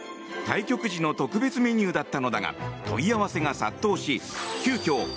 対局時の特別メニューだったのだが問い合わせが殺到し急きょ